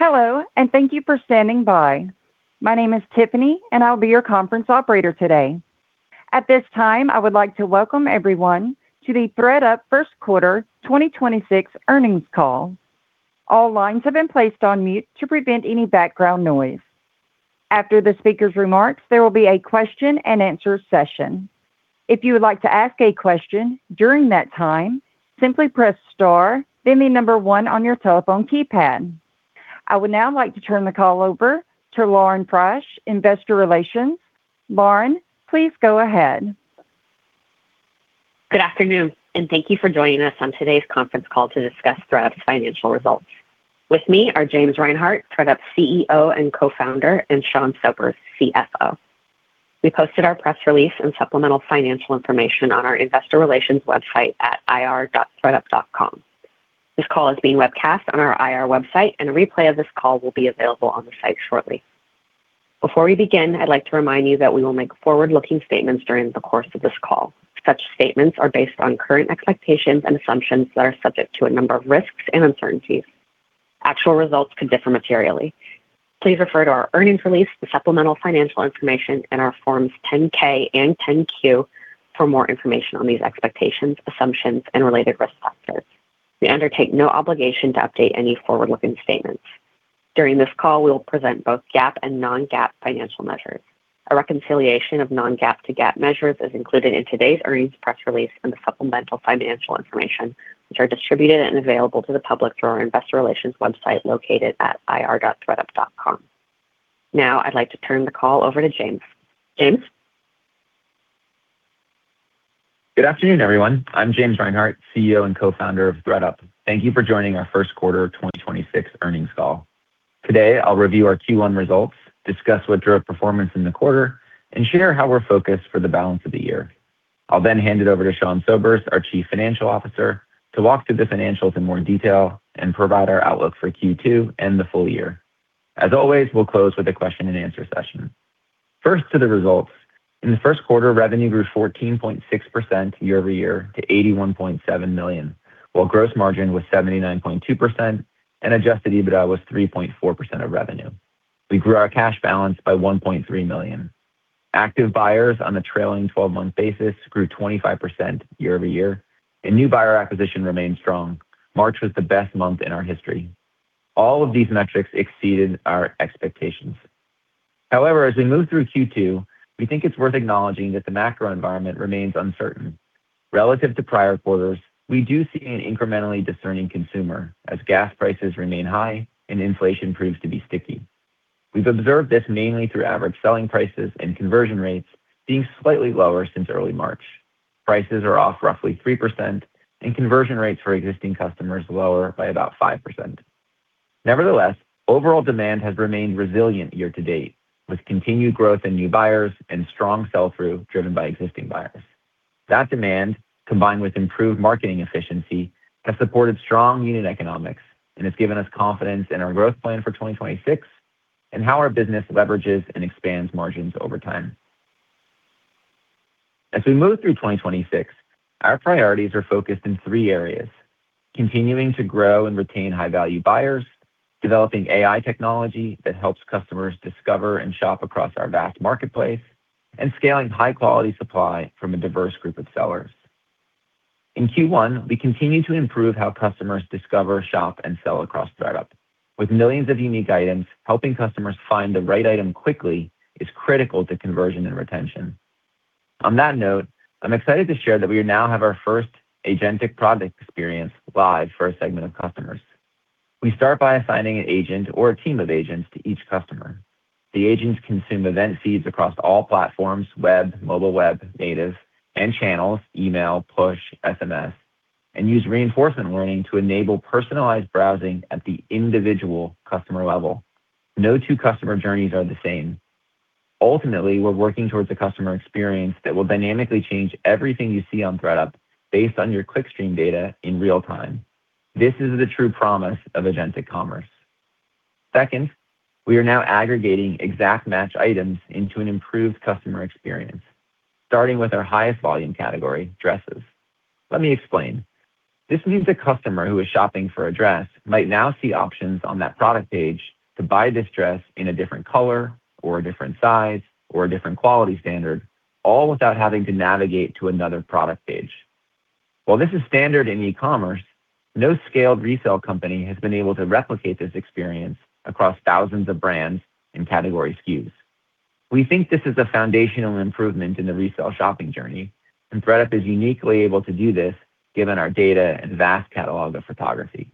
Hello, and thank you for standing by. My name is Tiffany, and I'll be your conference operator today. At this time, I would like to welcome everyone to the ThredUp first quarter 2026 earnings call. All lines have been placed on mute to prevent any background noise. After the speaker's remarks, there will be a question-and-answer session. If you would like to ask a question during that time, simply press star, then the number 1 on your telephone keypad. I would now like to turn the call over to Lauren Frasch, Investor Relations. Lauren, please go ahead. Good afternoon. Thank you for joining us on today's conference call to discuss ThredUp's financial results. With me are James Reinhart, ThredUp CEO and co-founder, and Sean Sobers, CFO. We posted our press release and supplemental financial information on our investor relations website at ir.thredup.com. This call is being webcast on our IR website, and a replay of this call will be available on the site shortly. Before we begin, I'd like to remind you that we will make forward-looking statements during the course of this call. Such statements are based on current expectations and assumptions that are subject to a number of risks and uncertainties. Actual results could differ materially. Please refer to our earnings release, the supplemental financial information, and our Form 10-K and Form 10-Q for more information on these expectations, assumptions, and related risk factors. We undertake no obligation to update any forward-looking statements. During this call, we will present both GAAP and non-GAAP financial measures. A reconciliation of non-GAAP to GAAP measures is included in today's earnings press release and the supplemental financial information, which are distributed and available to the public through our investor relations website located at ir.thredup.com. I'd like to turn the call over to James. James? Good afternoon, everyone. I'm James Reinhart, CEO and co-founder of ThredUp. Thank you for joining our first quarter 2026 earnings call. Today, I'll review our Q1 results, discuss what drove performance in the quarter, and share how we're focused for the balance of the year. I'll then hand it over to Sean Sobers, our Chief Financial Officer, to walk through the financials in more detail and provide our outlook for Q2 and the full year. As always, we'll close with a question-and-answer session. First to the results. In the first quarter, revenue grew 14.6% year-over-year to $81.7 million, while gross margin was 79.2% and Adjusted EBITDA was 3.4% of revenue. We grew our cash balance by $1.3 million. Active buyers on a trailing twelve-month basis grew 25% year-over-year, and new buyer acquisition remains strong. March was the best month in our history. All of these metrics exceeded our expectations. However, as we move through Q2, we think it's worth acknowledging that the macro environment remains uncertain. Relative to prior quarters, we do see an incrementally discerning consumer as gas prices remain high and inflation proves to be sticky. We've observed this mainly through average selling prices and conversion rates being slightly lower since early March. Prices are off roughly 3%, and conversion rates for existing customers lower by about 5%. Nevertheless, overall demand has remained resilient year-to-date, with continued growth in new buyers and strong sell-through driven by existing buyers. That demand, combined with improved marketing efficiency, has supported strong unit economics and has given us confidence in our growth plan for 2026 and how our business leverages and expands margins over time. As we move through 2026, our priorities are focused in 3 areas: continuing to grow and retain high-value buyers, developing AI technology that helps customers discover and shop across our vast marketplace, and scaling high-quality supply from a diverse group of sellers. In Q1, we continue to improve how customers discover, shop, and sell across ThredUp. With millions of unique items, helping customers find the right item quickly is critical to conversion and retention. On that note, I'm excited to share that we now have our first agentic product experience live for a segment of customers. We start by assigning an agent or a team of agents to each customer. The agents consume event feeds across all platforms, web, mobile web, native, and channels, email, push, SMS, and use reinforcement learning to enable personalized browsing at the individual customer level. No two customer journeys are the same. Ultimately, we're working towards a customer experience that will dynamically change everything you see on ThredUp based on your clickstream data in real time. This is the true promise of agentic commerce. Second, we are now aggregating exact match items into an improved customer experience, starting with our highest volume category, dresses. Let me explain. This means a customer who is shopping for a dress might now see options on that product page to buy this dress in a different color or a different size or a different quality standard, all without having to navigate to another product page. While this is standard in e-commerce, no scaled resale company has been able to replicate this experience across thousands of brands and category SKUs. We think this is a foundational improvement in the resale shopping journey. ThredUp is uniquely able to do this given our data and vast catalog of photography.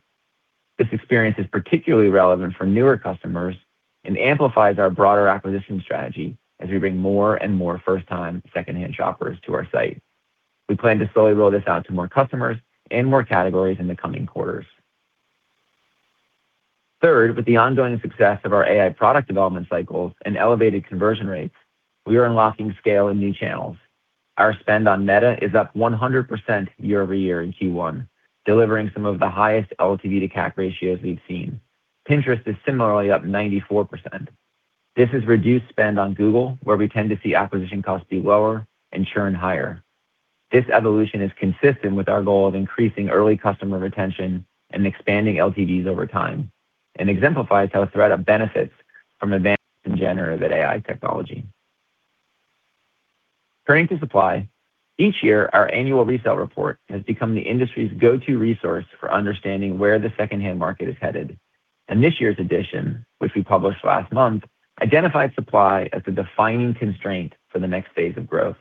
This experience is particularly relevant for newer customers and amplifies our broader acquisition strategy as we bring more and more first-time secondhand shoppers to our site. We plan to slowly roll this out to more customers and more categories in the coming quarters. Third, with the ongoing success of our AI product development cycles and elevated conversion rates, we are unlocking scale in new channels. Our spend on Meta is up 100% year-over-year in Q1, delivering some of the highest LTV to CAC ratios we've seen. Pinterest is similarly up 94%. This has reduced spend on Google, where we tend to see acquisition costs be lower and churn higher. This evolution is consistent with our goal of increasing early customer retention and expanding LTVs over time, and exemplifies how ThredUp benefits from advances in generative AI technology. Turning to supply, each year our annual resale report has become the industry's go-to resource for understanding where the secondhand market is headed. This year's edition, which we published last month, identified supply as the defining constraint for the next phase of growth.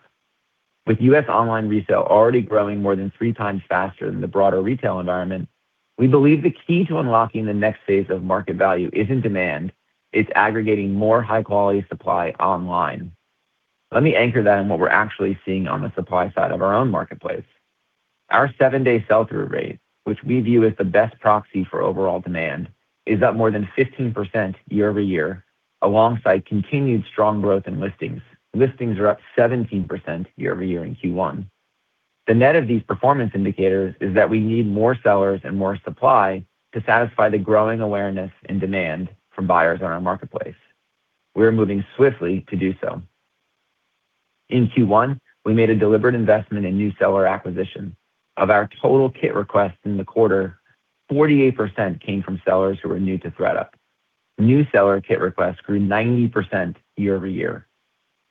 With U.S. online resale already growing more than 3 times faster than the broader retail environment, we believe the key to unlocking the next phase of market value is in demand. It's aggregating more high-quality supply online. Let me anchor that in what we're actually seeing on the supply side of our own marketplace. Our seven-day sell-through rate, which we view as the best proxy for overall demand, is up more than 15% year-over-year, alongside continued strong growth in listings. Listings are up 17% year-over-year in Q1. The net of these performance indicators is that we need more sellers and more supply to satisfy the growing awareness and demand from buyers on our marketplace. We are moving swiftly to do so. In Q1, we made a deliberate investment in new seller acquisition. Of our total kit requests in the quarter, 48% came from sellers who were new to ThredUp. New seller kit requests grew 90% year-over-year.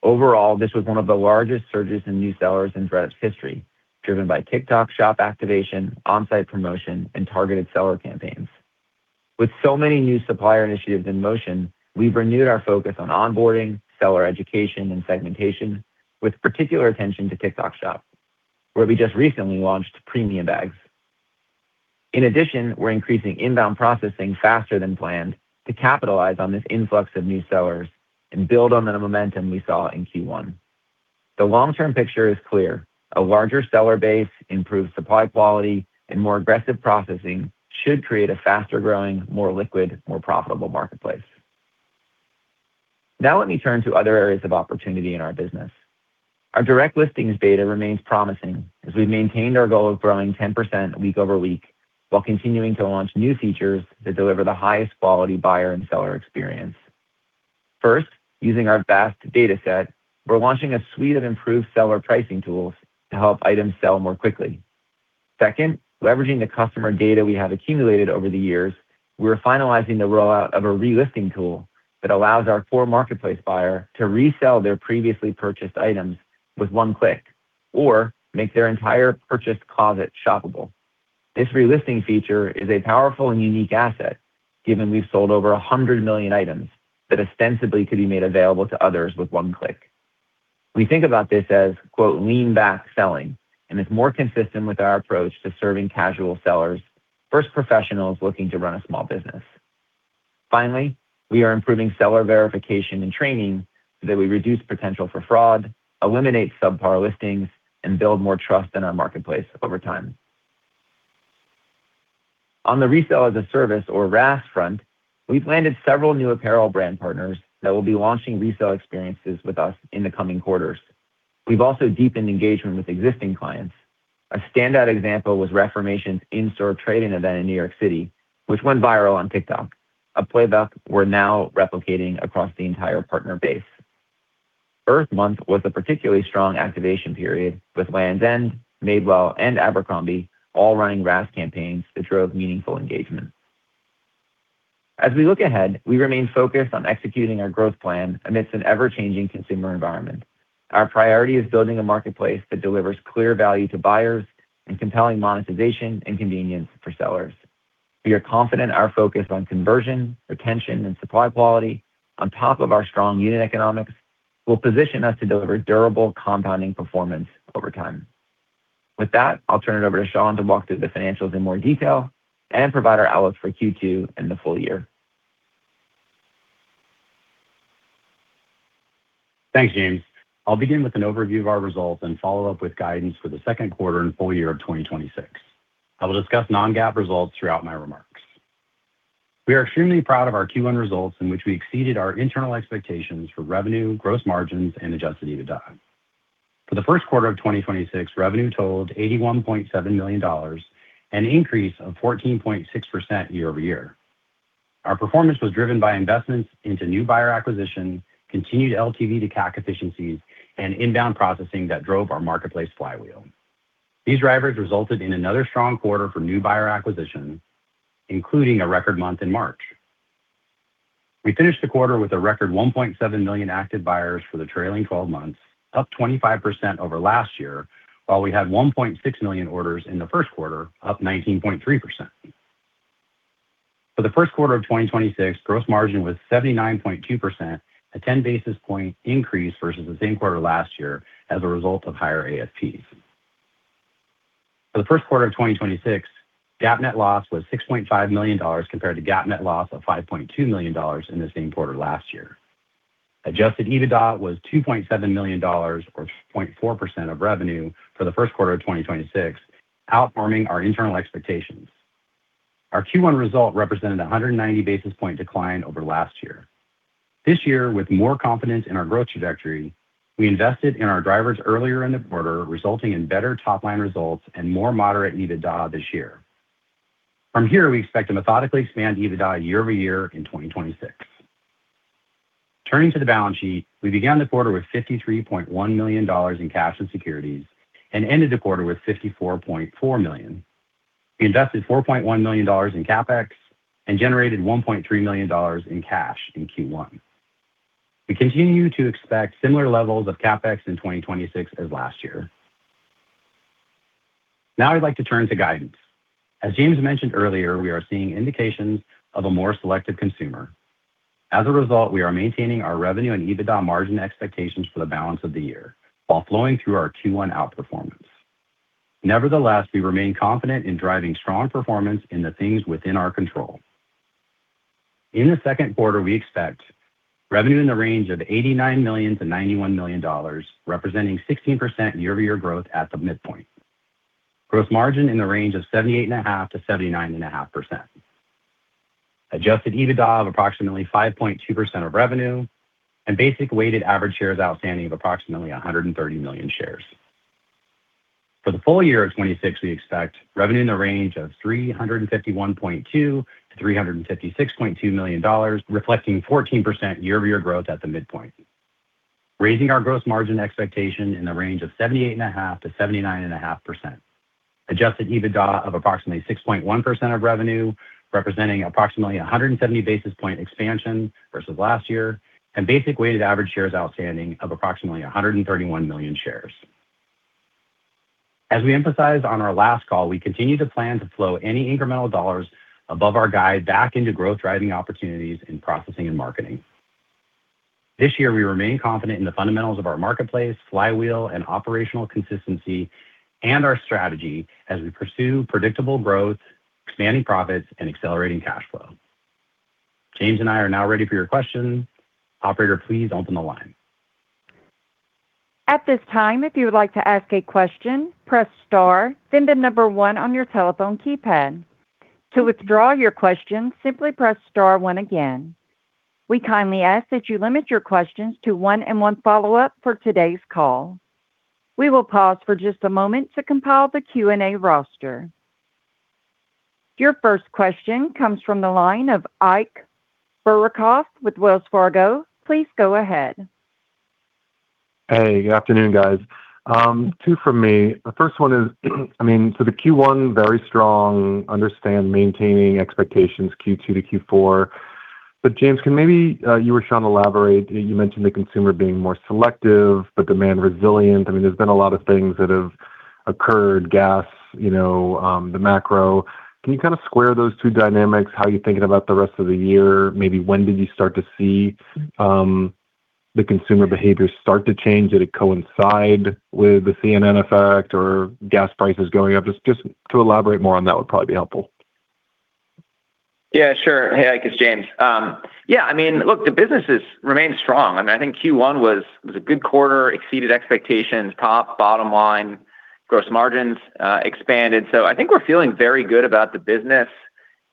Overall, this was one of the largest surges in new sellers in ThredUp's history, driven by TikTok Shop activation, on-site promotion, and targeted seller campaigns. With so many new supplier initiatives in motion, we've renewed our focus on onboarding, seller education, and segmentation, with particular attention to TikTok Shop, where we just recently launched premium bags. In addition, we're increasing inbound processing faster than planned to capitalize on this influx of new sellers and build on the momentum we saw in Q1. The long-term picture is clear. A larger seller base, improved supply quality, and more aggressive processing should create a faster-growing, more liquid, more profitable marketplace. Now let me turn to other areas of opportunity in our business. Our direct listings data remains promising as we've maintained our goal of growing 10% week over week while continuing to launch new features that deliver the highest quality buyer and seller experience. First, using our vast data set, we're launching a suite of improved seller pricing tools to help items sell more quickly. Leveraging the customer data we have accumulated over the years, we're finalizing the rollout of a relisting tool that allows our core marketplace buyer to resell their previously purchased items with one click, or make their entire purchased closet shoppable. This relisting feature is a powerful and unique asset, given we've sold over 100 million items that ostensibly could be made available to others with one click. We think about this as, quote, lean-back selling, and it's more consistent with our approach to serving casual sellers versus professionals looking to run a small business. We are improving seller verification and training so that we reduce potential for fraud, eliminate subpar listings, and build more trust in our marketplace over time. On the Resale-as-a-Service, or RaaS front, we've landed several new apparel brand partners that will be launching resale experiences with us in the coming quarters. We've also deepened engagement with existing clients. A standout example was Reformation's in-store trading event in New York City, which went viral on TikTok, a playbook we're now replicating across the entire partner base. Earth Month was a particularly strong activation period, with Lands' End, Madewell, and Abercrombie all running RaaS campaigns that drove meaningful engagement. As we look ahead, we remain focused on executing our growth plan amidst an ever-changing consumer environment. Our priority is building a marketplace that delivers clear value to buyers and compelling monetization and convenience for sellers. We are confident our focus on conversion, retention, and supply quality, on top of our strong unit economics, will position us to deliver durable compounding performance over time. With that, I'll turn it over to Sean to walk through the financials in more detail and provide our outlook for Q2 and the full year. Thanks, James. I'll begin with an overview of our results and follow up with guidance for the second quarter and full year of 2026. I will discuss non-GAAP results throughout my remarks. We are extremely proud of our Q1 results in which we exceeded our internal expectations for revenue, gross margins and Adjusted EBITDA. For the first quarter of 2026, revenue totaled $81.7 million, an increase of 14.6% year-over-year. Our performance was driven by investments into new buyer acquisition, continued LTV to CAC efficiencies, and inbound processing that drove our marketplace flywheel. These drivers resulted in another strong quarter for new buyer acquisition, including a record month in March. We finished the quarter with a record 1.7 million active buyers for the trailing 12 months, up 25% over last year, while we had 1.6 million orders in the first quarter, up 19.3%. For the first quarter of 2026, gross margin was 79.2%, a 10 basis point increase versus the same quarter last year as a result of higher ASPs. For the first quarter of 2026, GAAP net loss was $6.5 million compared to GAAP net loss of $5.2 million in the same quarter last year. Adjusted EBITDA was $2.7 million or 0.4% of revenue for the first quarter of 2026, outperforming our internal expectations. Our Q1 result represented a 190 basis point decline over last year. This year, with more confidence in our growth trajectory, we invested in our drivers earlier in the quarter, resulting in better top-line results and more moderate EBITDA this year. From here, we expect to methodically expand EBITDA year-over-year in 2026. Turning to the balance sheet, we began the quarter with $53.1 million in cash and securities, and ended the quarter with $54.4 million. We invested $4.1 million in CapEx and generated $1.3 million in cash in Q1. We continue to expect similar levels of CapEx in 2026 as last year. I'd like to turn to guidance. As James mentioned earlier, we are seeing indications of a more selective consumer. As a result, we are maintaining our revenue and EBITDA margin expectations for the balance of the year while flowing through our Q1 outperformance. Nevertheless, we remain confident in driving strong performance in the things within our control. In the second quarter, we expect revenue in the range of $89 million-$91 million, representing 16% year-over-year growth at the midpoint. Gross margin in the range of 78.5%-79.5%. Adjusted EBITDA of approximately 5.2% of revenue and basic weighted average shares outstanding of approximately 130 million shares. For the full year of 2026, we expect revenue in the range of $351.2 million-$356.2 million, reflecting 14% year-over-year growth at the midpoint. Raising our gross margin expectation in the range of 78.5%-79.5%. Adjusted EBITDA of approximately 6.1% of revenue, representing approximately 170 basis point expansion versus last year, and basic weighted average shares outstanding of approximately 131 million shares. As we emphasized on our last call, we continue to plan to flow any incremental dollars above our guide back into growth-driving opportunities in processing and marketing. This year, we remain confident in the fundamentals of our marketplace, flywheel, and operational consistency, and our strategy as we pursue predictable growth, expanding profits, and accelerating cash flow. James and I are now ready for your questions. Operator, please open the line. We kindly ask that you limit your questions to one and one follow-up for today's call. We will pause for just a moment to compile the Q&A roster. Your first question comes from the line of Ike Boruchow with Wells Fargo. Please go ahead. Hey, good afternoon, guys. two from me. The first one is, I mean, the Q1, very strong. Understand maintaining expectations Q2 to Q4. James, can maybe, you or Sean elaborate? You mentioned the consumer being more selective, but demand resilient. I mean, there's been a lot of things that have occurred, gas, you know, the macro. Can you kind of square those two dynamics? How are you thinking about the rest of the year? Maybe when did you start to see, the consumer behavior start to change? Did it coincide with the CNN effect or gas prices going up? Just to elaborate more on that would probably be helpful. Yeah, sure. Hey, Ike, it's James. Yeah, I mean, look, the businesses remain strong. I mean, I think Q1 was a good quarter, exceeded expectations, top, bottom line. Gross margins expanded. I think we're feeling very good about the business.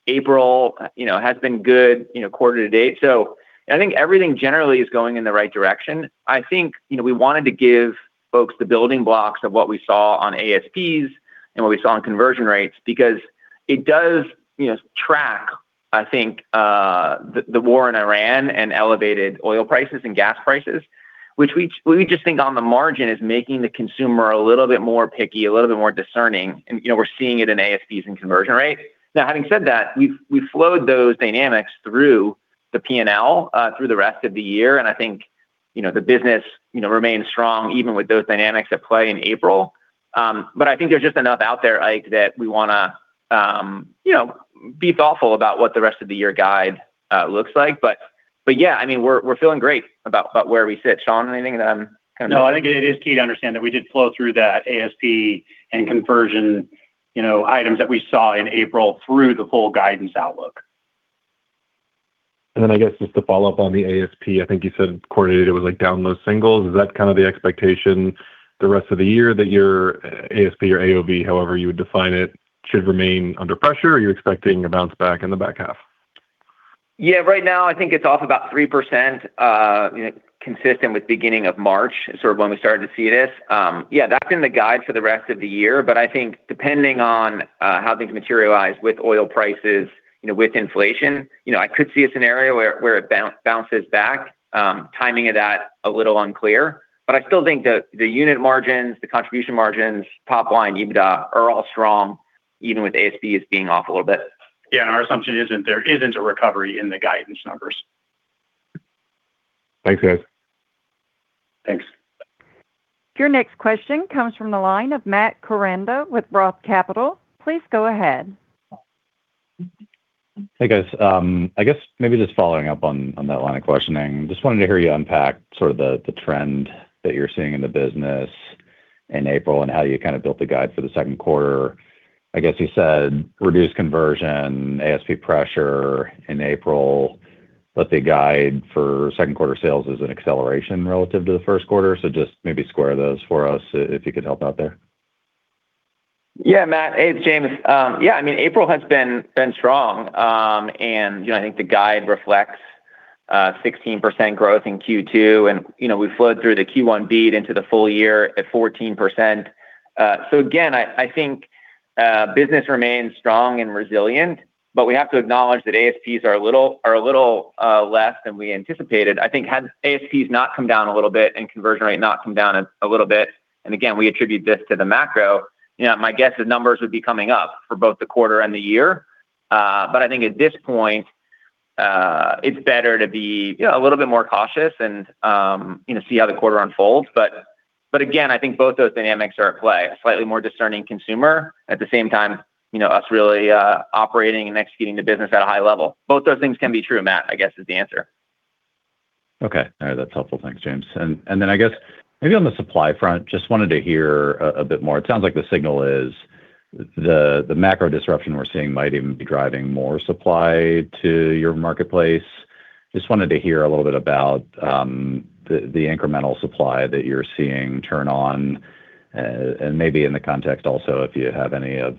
April, you know, has been good, you know, quarter to date. I think everything generally is going in the right direction. I think, you know, we wanted to give folks the building blocks of what we saw on ASPs and what we saw on conversion rates because it does, you know, track, I think, the war in Iran and elevated oil prices and gas prices, which we just think on the margin is making the consumer a little bit more picky, a little bit more discerning. You know, we're seeing it in ASPs and conversion rate. Now, having said that, we've flowed those dynamics through the P&L through the rest of the year. I think, you know, the business, you know, remains strong even with those dynamics at play in April. I think there's just enough out there, Ike, that we wanna, you know, be thoughtful about what the rest of the year guide looks like. Yeah, I mean, we're feeling great about where we sit. Sean, anything that I'm kind of. No, I think it is key to understand that we did flow through that ASP and conversion, you know, items that we saw in April through the full guidance outlook. I guess just to follow up on the ASP, I think you said quarter to date it was like down those singles. Is that kind of the expectation the rest of the year that your ASP or AOV, however you would define it, should remain under pressure or are you expecting a bounce back in the back half? Yeah, right now I think it's off about 3%, you know, consistent with beginning of March, sort of when we started to see this. Yeah, that's been the guide for the rest of the year. I think depending on how things materialize with oil prices, you know, with inflation, you know, I could see a scenario where it bounces back. Timing of that, a little unclear. I still think the unit margins, the contribution margins, top line EBITDA are all strong, even with ASP as being off a little bit. Yeah, our assumption isn't there isn't a recovery in the guidance numbers. Thanks, guys. Thanks. Your next question comes from the line of Matt Koranda with Roth Capital. Please go ahead. Hey, guys. I guess maybe just following up on that line of questioning. Just wanted to hear you unpack sort of the trend that you're seeing in the business in April and how you kind of built the guide for the second quarter. I guess you said reduced conversion, ASP pressure in April, but the guide for second quarter sales is an acceleration relative to the first quarter. Just maybe square those for us, if you could help out there. Yeah, Matt. Hey, it's James. Yeah, I mean, April has been strong. You know, I think the guide reflects 16% growth in Q2. You know, we flowed through the Q1 beat into the full year at 14%. Again, I think business remains strong and resilient, but we have to acknowledge that ASPs are a little less than we anticipated. I think had ASPs not come down a little bit and conversion rate not come down a little bit, and again, we attribute this to the macro, you know, my guess the numbers would be coming up for both the quarter and the year. I think at this point, it's better to be, you know, a little bit more cautious and, you know, see how the quarter unfolds. But again, I think both those dynamics are at play. A slightly more discerning consumer, at the same time, you know, us really operating and executing the business at a high level. Both those things can be true, Matt Koranda, I guess is the answer. Okay. All right. That's helpful. Thanks, James. Then I guess maybe on the supply front, just wanted to hear a bit more. It sounds like the signal is the macro disruption we're seeing might even be driving more supply to your marketplace. Just wanted to hear a little bit about the incremental supply that you're seeing turn on, and maybe in the context also if you have any of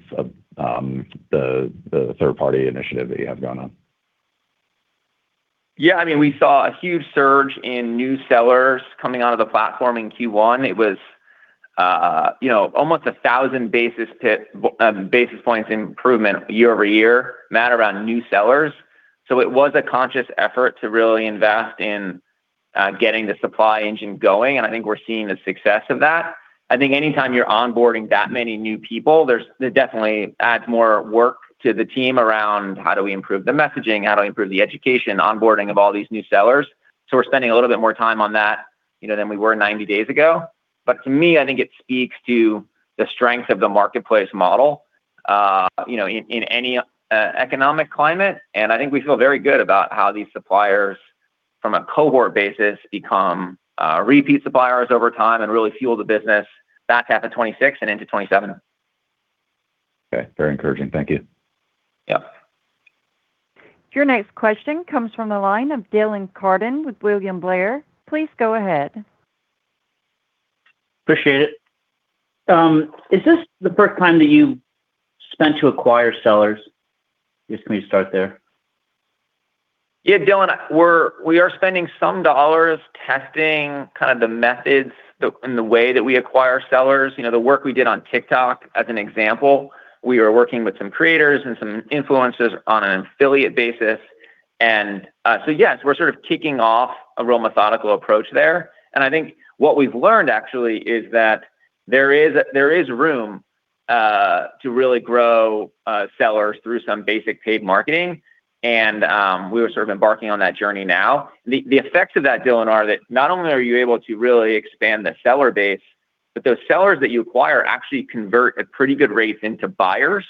the third-party initiative that you have going on. Yeah, I mean, we saw a huge surge in new sellers coming onto the platform in Q1. It was almost a 1,000 basis points improvement year-over-year, Matt, around new sellers. It was a conscious effort to really invest in getting the supply engine going, and I think we're seeing the success of that. I think anytime you're onboarding that many new people, it definitely adds more work to the team around how do we improve the messaging, how do we improve the education, onboarding of all these new sellers. We're spending a little bit more time on that than we were 90 days ago. To me, I think it speaks to the strength of the marketplace model in any economic climate. I think we feel very good about how these suppliers from a cohort basis become repeat suppliers over time and really fuel the business back half of 2026 and into 2027. Okay. Very encouraging. Thank you. Yep. Your next question comes from the line of Dylan Carden with William Blair. Please go ahead. Appreciate it. Is this the first time that you spent to acquire sellers? Just let me start there. Yeah, Dylan, we are spending some dollars testing kind of the methods and the way that we acquire sellers. You know, the work we did on TikTok, as an example, we are working with some creators and some influencers on an affiliate basis. Yes, we're sort of kicking off a real methodical approach there. I think what we've learned actually is that there is room to really grow sellers through some basic paid marketing. We are sort of embarking on that journey now. The effects of that, Dylan, are that not only are you able to really expand the seller base, but those sellers that you acquire actually convert at pretty good rates into buyers.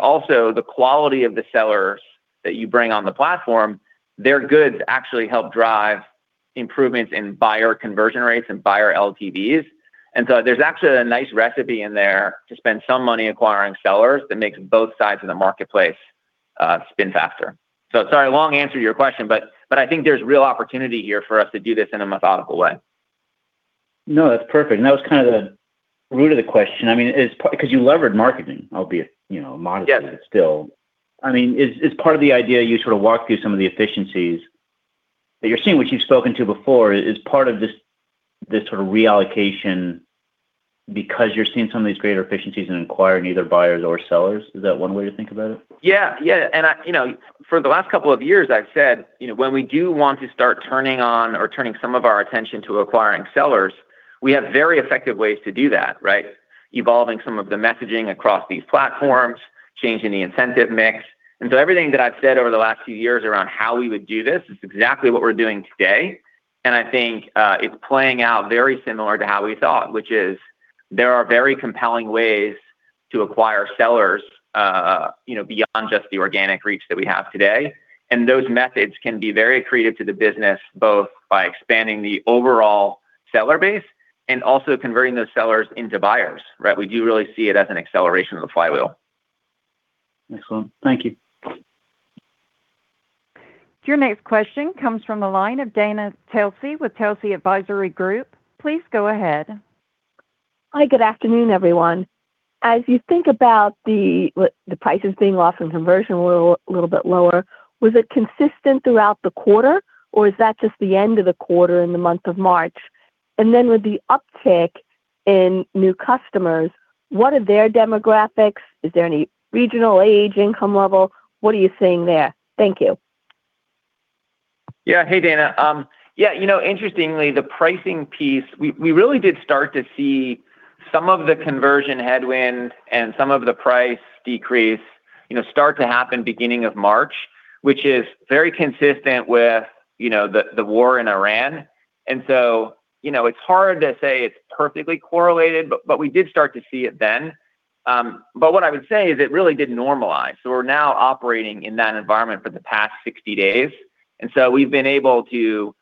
Also the quality of the sellers that you bring on the platform, their goods actually help drive improvements in buyer conversion rates and buyer LTVs. There's actually a nice recipe in there to spend some money acquiring sellers that makes both sides of the marketplace spin faster. Sorry, long answer to your question. I think there's real opportunity here for us to do this in a methodical way. No, that's perfect. That was kind of the root of the question. I mean, it's because you levered marketing, albeit, you know, modestly, but still, I mean, is part of the idea you sort of walk through some of the efficiencies that you're seeing, which you've spoken to before, is part of this sort of reallocation because you're seeing some of these greater efficiencies in acquiring either buyers or sellers? Is that 1 way to think about it? Yeah. Yeah. You know, for the last couple of years, I've said, you know, when we do want to start turning on or turning some of our attention to acquiring sellers, we have very effective ways to do that, right? Evolving some of the messaging across these platforms, changing the incentive mix. Everything that I've said over the last few years around how we would do this is exactly what we're doing today. I think it's playing out very similar to how we thought, which is there are very compelling ways to acquire sellers, you know, beyond just the organic reach that we have today. Those methods can be very accretive to the business, both by expanding the overall seller base and also converting those sellers into buyers, right? We do really see it as an acceleration of the virtuous circle. Excellent. Thank you. Your next question comes from the line of Dana Telsey with Telsey Advisory Group. Please go ahead. Hi, good afternoon, everyone. As you think about the, like, the prices being lost and conversion a little bit lower, was it consistent throughout the quarter, or is that just the end of the quarter in the month of March? With the uptick in new customers, what are their demographics? Is there any regional age, income level? What are you seeing there? Thank you. Yeah. Hey, Dana. Yeah, you know, interestingly, the pricing piece, we really did start to see some of the conversion headwind and some of the price decrease, you know, start to happen beginning of March, which is very consistent with, you know, the war in Iran. You know, it's hard to say it's perfectly correlated, but we did start to see it then. What I would say is it really did normalize. We're now operating in that environment for the past 60 days. We've been able to,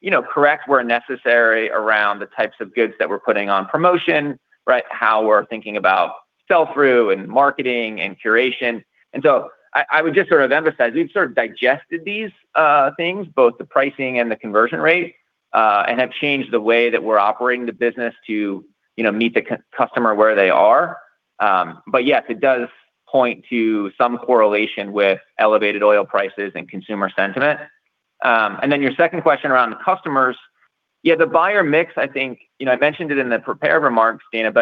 you know, correct where necessary around the types of goods that we're putting on promotion, right, how we're thinking about sell-through and marketing and curation. I would just sort of emphasize, we've sort of digested these things, both the pricing and the conversion rate, and have changed the way that we're operating the business to, you know, meet the customer where they are. Yes, it does point to some correlation with elevated oil prices and consumer sentiment. Your second question around the customers. The buyer mix, I think, you know, I mentioned it in the prepared remarks, Dana.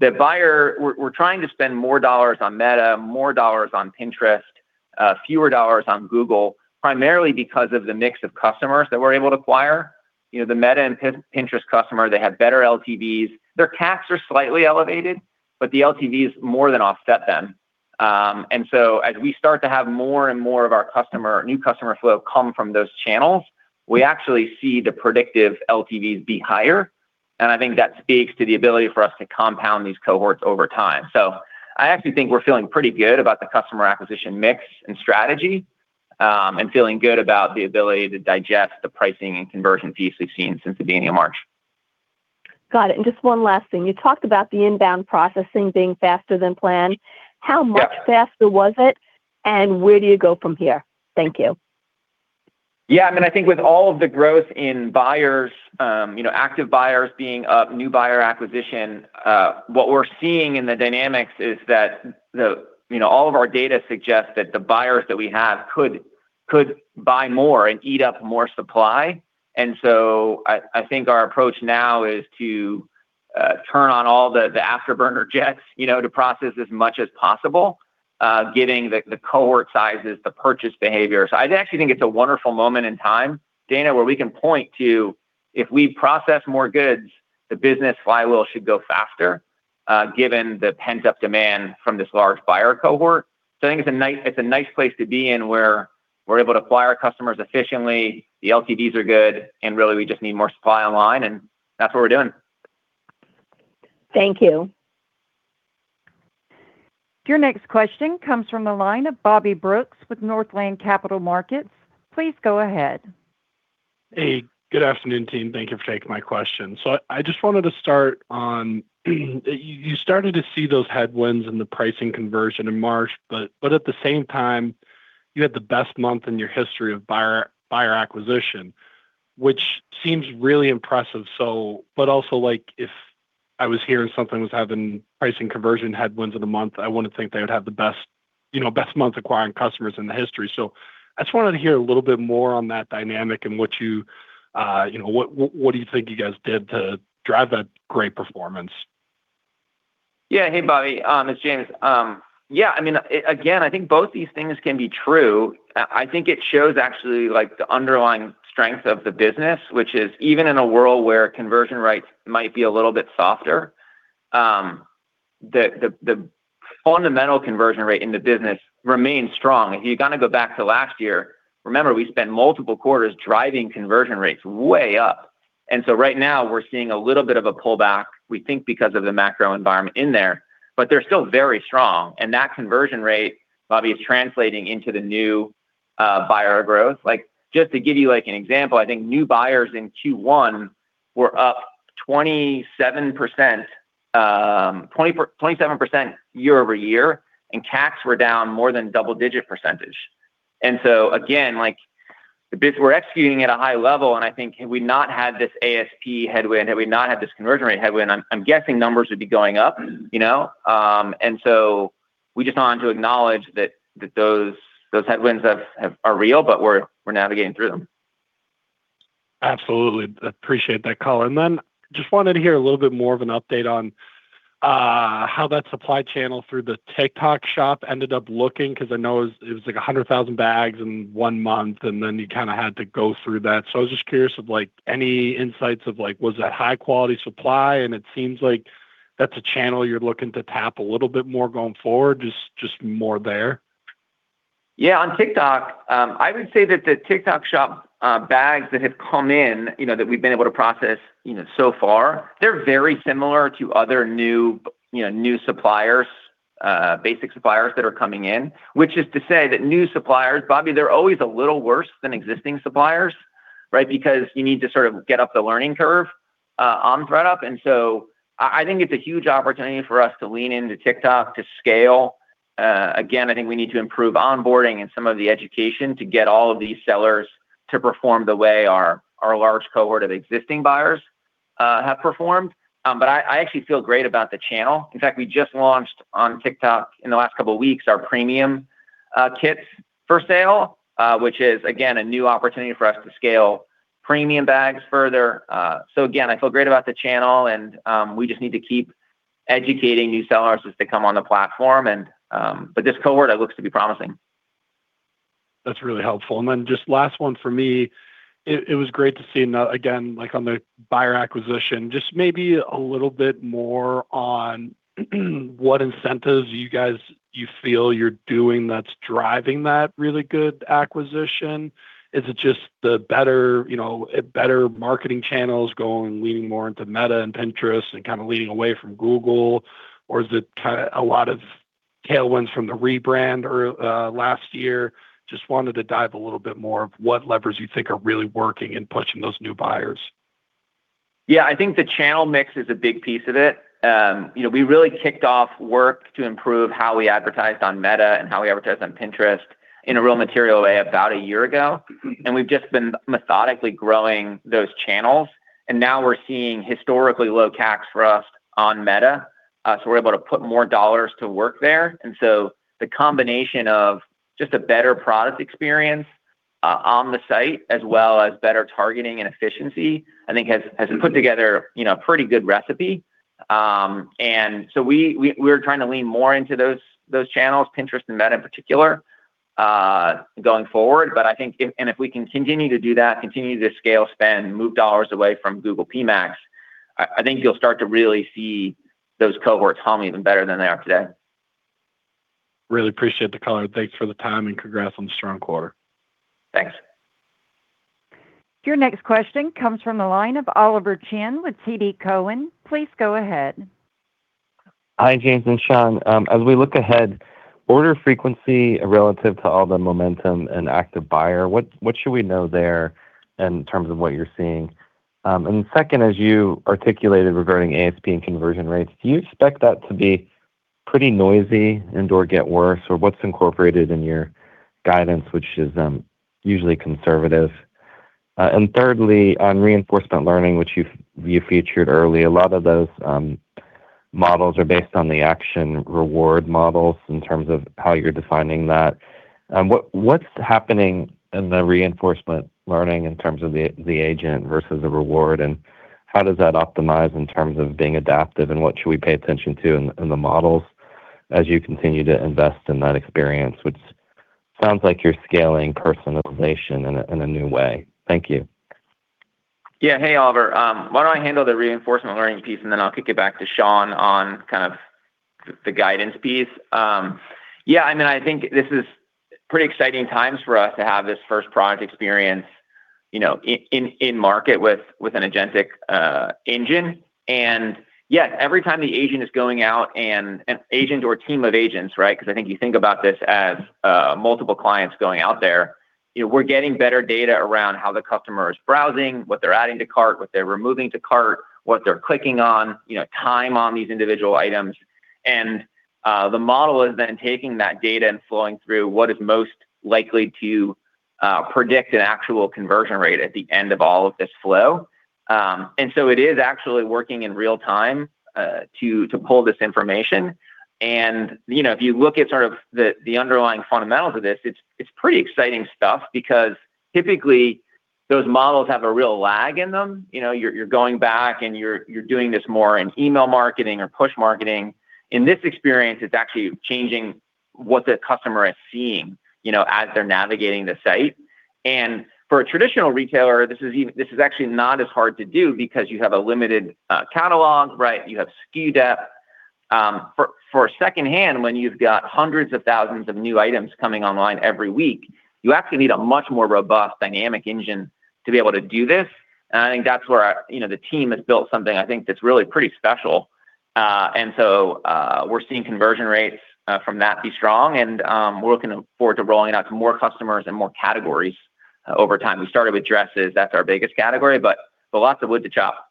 We're trying to spend more dollars on Meta, more dollars on Pinterest, fewer dollars on Google, primarily because of the mix of customers that we're able to acquire. You know, the Meta and Pinterest customer, they have better LTVs. Their CACs are slightly elevated, the LTVs more than offset them. As we start to have more and more of our new customer flow come from those channels, we actually see the predictive LTVs be higher, and I think that speaks to the ability for us to compound these cohorts over time. I actually think we're feeling pretty good about the customer acquisition mix and strategy, and feeling good about the ability to digest the pricing and conversion fees we've seen since the beginning of March. Got it. Just one last thing. You talked about the inbound processing being faster than planned. Yeah. How much faster was it, and where do you go from here? Thank you. Yeah. I mean, I think with all of the growth in buyers, you know, active buyers being up, new buyer acquisition, what we're seeing in the dynamics is that, you know, all of our data suggests that the buyers that we have could buy more and eat up more supply. I think our approach now is to turn on all the afterburner jets, you know, to process as much as possible, getting the cohort sizes, the purchase behavior. I actually think it's a wonderful moment in time, Dana Telsey, where we can point to, if we process more goods, the business flywheel should go faster, given the pent-up demand from this large buyer cohort. I think it's a nice, it's a nice place to be in, where we're able to acquire customers efficiently, the LTVs are good, and really we just need more supply online, and that's what we're doing. Thank you. Your next question comes from the line of Bobby Brooks with Northland Capital Markets. Please go ahead. Hey, good afternoon, team. Thank you for taking my question. I just wanted to start on you started to see those headwinds in the pricing conversion in March, but at the same time, you had the best month in your history of buyer acquisition, which seems really impressive. But also, like, if I was hearing something was having pricing conversion headwinds of the month, I wanna think they would have the best, you know, best month acquiring customers in the history. I just wanted to hear a little bit more on that dynamic and what you know, what do you think you guys did to drive that great performance? Yeah. Hey, Bobby. It's James. Yeah, I mean, again, I think both these things can be true. I think it shows actually, like, the underlying strength of the business, which is even in a world where conversion rates might be a little bit softer, the fundamental conversion rate in the business remains strong. If you kinda go back to last year, remember, we spent multiple quarters driving conversion rates way up. Right now we're seeing a little bit of a pullback, we think because of the macro environment in there, but they're still very strong. That conversion rate, Bobby, is translating into the new buyer growth. Like, just to give you, like, an example, I think new buyers in Q1 were up 27%, 24, 27% year-over-year, and CACs were down more than double-digit percentage. Again, we're executing at a high level, and I think had we not had this ASP headwind, had we not had this conversion rate headwind, I'm guessing numbers would be going up, you know. We just wanted to acknowledge that those headwinds are real, but we're navigating through them. Absolutely. Appreciate that call. Then just wanted to hear a little bit more of an update on how that supply channel through the TikTok Shop ended up looking, 'cause I know it was like 100,000 bags in 1 month, and then you kinda had to go through that. I was just curious of, like, any insights of, like, was that high quality supply? It seems like that's a channel you're looking to tap a little bit more going forward. Just more there. Yeah. On TikTok, I would say that the TikTok Shop bags that have come in, you know, that we've been able to process, you know, so far, they're very similar to other new, you know, new suppliers, basic suppliers that are coming in, which is to say that new suppliers, Bobby, they're always a little worse than existing suppliers, right? Because you need to sort of get up the learning curve on ThredUp. I think it's a huge opportunity for us to lean into TikTok to scale. Again, I think we need to improve onboarding and some of the education to get all of these sellers to perform the way our large cohort of existing buyers have performed. I actually feel great about the channel. In fact, we just launched on TikTok in the last couple weeks our premium kits for sale, which is again, a new opportunity for us to scale premium bags further. Again, I feel great about the channel and we just need to keep educating new sellers as they come on the platform and but this cohort, it looks to be promising. That's really helpful. Just last one for me. Again, like, on the buyer acquisition, just maybe a little bit more on what incentives you guys, you feel you're doing that's driving that really good acquisition. Is it just the better, you know, a better marketing channels going, leaning more into Meta and Pinterest and kinda leaning away from Google? Is it kinda a lot of tailwinds from the rebrand last year? Just wanted to dive a little bit more of what levers you think are really working in pushing those new buyers. Yeah. I think the channel mix is a big piece of it. You know, we really kicked off work to improve how we advertised on Meta and how we advertised on Pinterest in a real material way about a year ago. We've just been methodically growing those channels, and now we're seeing historically low CACs for us on Meta. We're able to put more dollars to work there. The combination of just a better product experience on the site as well as better targeting and efficiency, I think has put together, you know, pretty good recipe. We're trying to lean more into those channels, Pinterest and Meta in particular, going forward. If we can continue to do that, continue to scale, spend, move dollars away from Google PMax, I think you'll start to really see those cohorts hum even better than they are today. Really appreciate the color. Thanks for the time, and congrats on the strong quarter. Thanks. Your next question comes from the line of Oliver Chen with TD Cowen. Please go ahead. Hi, James and Sean. As we look ahead, order frequency relative to all the momentum and active buyer, what should we know there in terms of what you're seeing? Second, as you articulated regarding ASP and conversion rates, do you expect that to be pretty noisy and/or get worse? Or what's incorporated in your guidance, which is usually conservative? Thirdly, on reinforcement learning, which you featured early, a lot of those models are based on the action reward models in terms of how you're defining that. What's happening in the reinforcement learning in terms of the agent versus the reward, and how does that optimize in terms of being adaptive? What should we pay attention to in the models as you continue to invest in that experience, which sounds like you're scaling personalization in a new way? Thank you. Yeah. Hey, Oliver. Why don't I handle the reinforcement learning piece, and then I'll kick it back to Sean on kind of the guidance piece. Yeah, I mean, I think this is pretty exciting times for us to have this first product experience, you know, in market with an agentic engine. Yeah, every time the agent is going out. An agent or team of agents, right? Because I think you think about this as multiple clients going out there. You know, we're getting better data around how the customer is browsing, what they're adding to cart, what they're removing to cart, what they're clicking on, you know, time on these individual items. The model is then taking that data and flowing through what is most likely to predict an actual conversion rate at the end of all of this flow. It is actually working in real time to pull this information. You know, if you look at sort of the underlying fundamentals of this, it's pretty exciting stuff because typically those models have a real lag in them. You know, you're going back and you're doing this more in email marketing or push marketing. In this experience, it's actually changing what the customer is seeing, you know, as they're navigating the site. For a traditional retailer, this is actually not as hard to do because you have a limited catalog, right? You have SKU depth. For secondhand, when you've got hundreds of thousands of new items coming online every week, you actually need a much more robust dynamic engine to be able to do this. I think that's where, you know, the team has built something, I think, that's really pretty special. We're seeing conversion rates from that be strong, we're looking forward to rolling out to more customers and more categories over time. We started with dresses. That's our biggest category, but lots of wood to chop.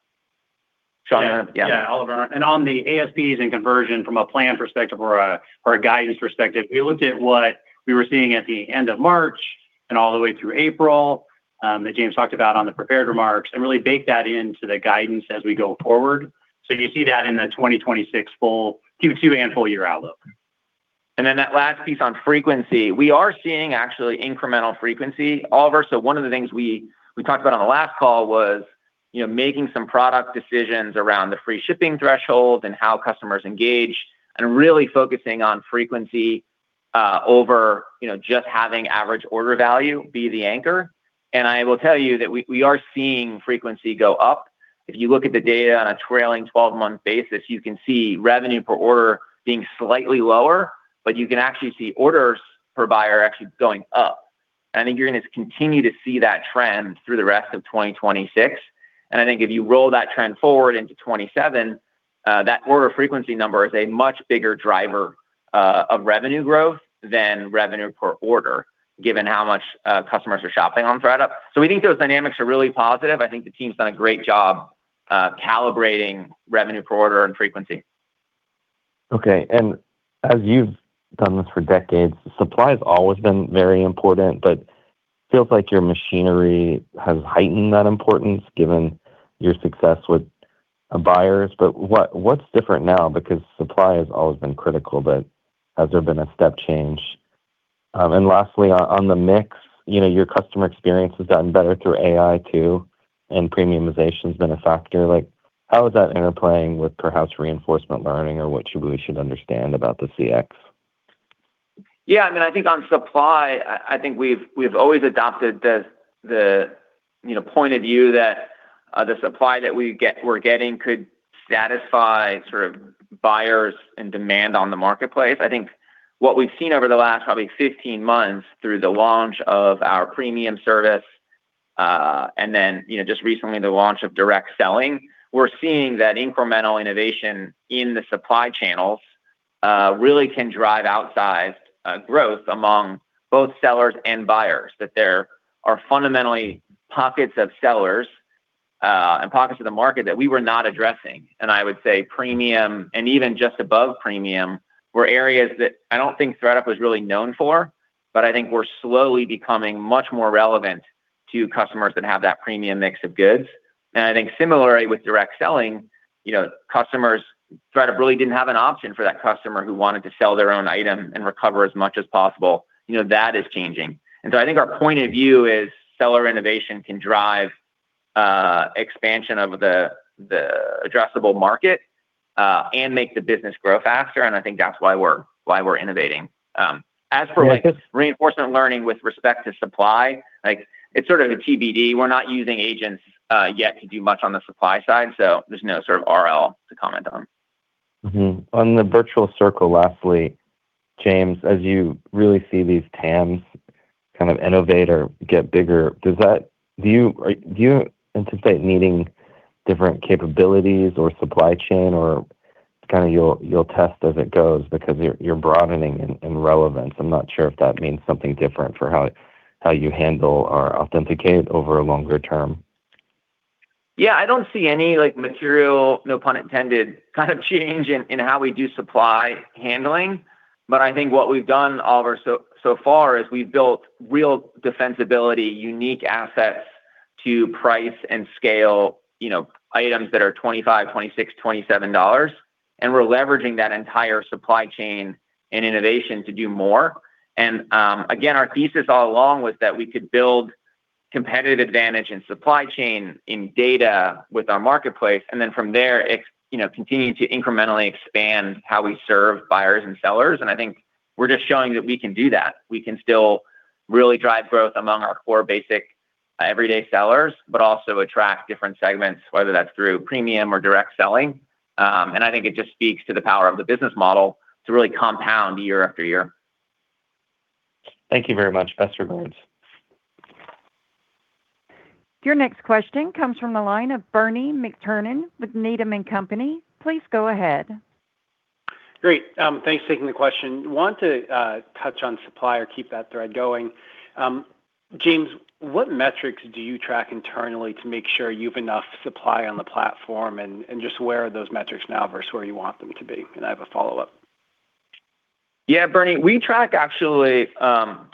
Sean? Yeah, Oliver. On the ASPs and conversion from a plan perspective or a guidance perspective, we looked at what we were seeing at the end of March and all the way through April, that James talked about on the prepared remarks, and really baked that into the guidance as we go forward. You see that in the 2026 full Q2 and full year outlook. That last piece on frequency. We are seeing actually incremental frequency, Oliver. One of the things we talked about on the last call was, you know, making some product decisions around the free shipping threshold and how customers engage, and really focusing on frequency over, you know, just having average order value be the anchor. I will tell you that we are seeing frequency go up. If you look at the data on a trailing 12-month basis, you can see revenue per order being slightly lower, but you can actually see orders per buyer actually going up. I think you're gonna continue to see that trend through the rest of 2026. I think if you roll that trend forward into 2027, that order frequency number is a much bigger driver of revenue growth than revenue per order, given how much customers are shopping on ThredUp. We think those dynamics are really positive. I think the team's done a great job calibrating revenue per order and frequency. Okay. As you've done this for decades, supply has always been very important, but feels like your machinery has heightened that importance given your success with buyers. What's different now? Because supply has always been critical, but has there been a step change? Lastly, on the mix, you know, your customer experience has gotten better through AI too, and premiumization's been a factor. Like, how is that interplaying with perhaps reinforcement learning or what should we understand about the CX? Yeah, I mean, I think on supply, I think we've always adopted the, you know, point of view that the supply that we're getting could satisfy sort of buyers and demand on the marketplace. I think what we've seen over the last probably 15 months through the launch of our premium service, and then, you know, just recently the launch of direct selling, we're seeing that incremental innovation in the supply channels really can drive outsized growth among both sellers and buyers. There are fundamentally pockets of sellers and pockets of the market that we were not addressing. I would say premium and even just above premium were areas that I don't think ThredUp was really known for, I think we're slowly becoming much more relevant to customers that have that premium mix of goods. I think similarly with direct selling, you know, customers, ThredUp really didn't have an option for that customer who wanted to sell their own item and recover as much as possible. You know, that is changing. I think our point of view is seller innovation can drive expansion of the addressable market and make the business grow faster, and I think that's why we're, why we're innovating. Okay Reinforcement learning with respect to supply, like it's sort of a TBD. We're not using agents yet to do much on the supply side, so there's no sort of RL to comment on. On the virtuous circle, lastly, James, as you really see these TAMs kind of innovate or get bigger, do you, or do you anticipate needing different capabilities or supply chain or kinda you'll test as it goes because you're broadening in relevance? I'm not sure if that means something different for how you handle or authenticate over a longer term. Yeah, I don't see any like material, no pun intended, kind of change in how we do supply handling. I think what we've done, Oliver, so far is we've built real defensibility, unique assets to price and scale, you know, items that are $25, $26, $27, and we're leveraging that entire supply chain and innovation to do more. Again, our thesis all along was that we could build competitive advantage in supply chain, in data with our marketplace, and then from there, you know, continue to incrementally expand how we serve buyers and sellers. I think we're just showing that we can do that. We can still really drive growth among our core basic everyday sellers, but also attract different segments, whether that's through premium or direct selling. I think it just speaks to the power of the business model to really compound year after year. Thank you very much. Best regards. Your next question comes from the line of Bernie McTernan with Needham & Company. Please go ahead. Great. Thanks for taking the question. Want to touch on supply or keep that thread going. James, what metrics do you track internally to make sure you've enough supply on the platform, and just where are those metrics now versus where you want them to be? I have a follow-up. Bernie, we track actually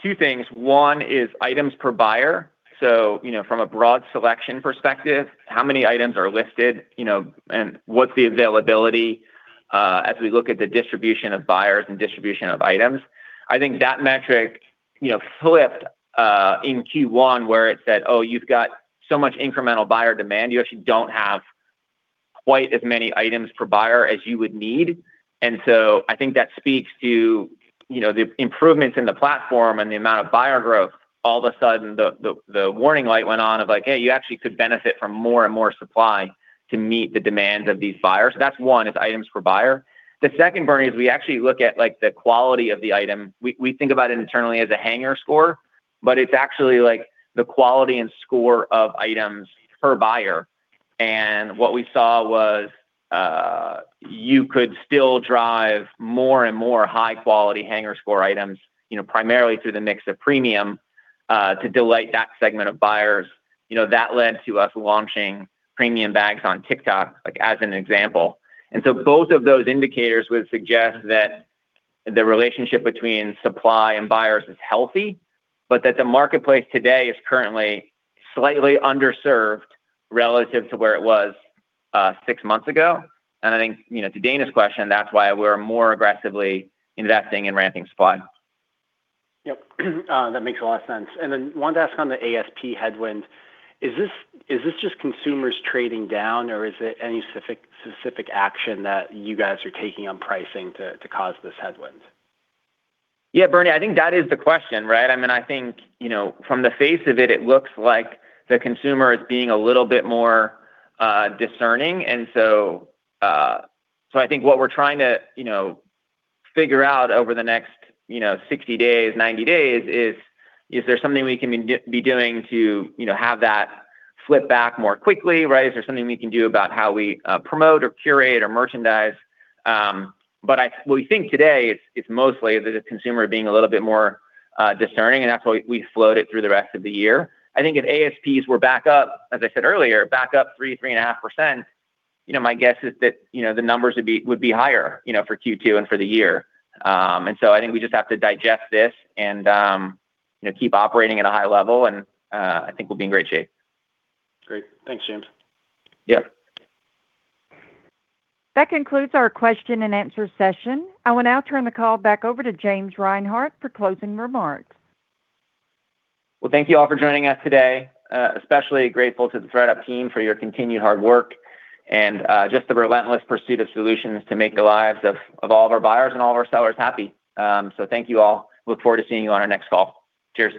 two things. One is items per buyer, you know, from a broad selection perspective, how many items are listed, you know, and what's the availability as we look at the distribution of buyers and distribution of items. I think that metric, you know, flipped in Q1, where it said, "You've got so much incremental buyer demand. You actually don't have quite as many items per buyer as you would need." I think that speaks to, you know, the improvements in the platform and the amount of buyer growth. All of a sudden the warning light went on of like, you actually could benefit from more and more supply to meet the demands of these buyers. That's one, is items per buyer. The second, Bernie, is we actually look at like the quality of the item. We think about it internally as a hanger score, but it's actually like the quality and score of items per buyer. What we saw was, you could still drive more and more high-quality hanger score items, you know, primarily through the mix of premium, to delight that segment of buyers. You know, that led to us launching premium bags on TikTok, like as an example. Both of those indicators would suggest that the relationship between supply and buyers is healthy, but that the marketplace today is currently slightly underserved relative to where it was, six months ago. I think, you know, to Dana's question, that's why we're more aggressively investing in ramping supply. Yep. That makes a lot of sense. Wanted to ask on the ASP headwind, is this just consumers trading down, or is it any specific action that you guys are taking on pricing to cause this headwind? Bernie, I think that is the question, right? I mean, I think, you know, from the face of it looks like the consumer is being a little bit more discerning. I think what we're trying to, you know, figure out over the next, you know, 60 days, 90 days is there something we can be doing to, you know, have that flip back more quickly, right? Is there something we can do about how we promote or curate or merchandise? What we think today is it's mostly the consumer being a little bit more discerning, that's why we flowed it through the rest of the year. I think if ASPs were back up, as I said earlier, back up 3.5%, you know, my guess is that, you know, the numbers would be higher, you know, for Q2 and for the year. I think we just have to digest this and, you know, keep operating at a high level, and, I think we'll be in great shape. Great. Thanks, James. Yeah. That concludes our question and answer session. I will now turn the call back over to James Reinhart for closing remarks. Well, thank you all for joining us today. Especially grateful to the ThredUp team for your continued hard work and just the relentless pursuit of solutions to make the lives of all of our buyers and all of our sellers happy. Thank you all. Look forward to seeing you on our next call. Cheers.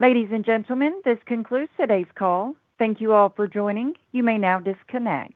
Ladies and gentlemen, this concludes today's call. Thank you all for joining. You may now disconnect.